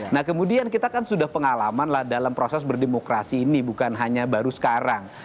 nah kemudian kita kan sudah pengalaman lah dalam proses berdemokrasi ini bukan hanya baru sekarang